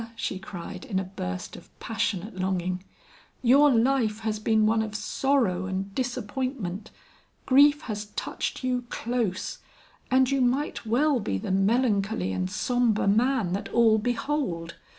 she cried in a burst of passionate longing, "your life has been one of sorrow and disappointment; grief has touched you close, and you might well be the melancholy and sombre man that all behold.